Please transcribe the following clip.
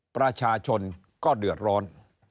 ประชาชนก็เดือดร้อน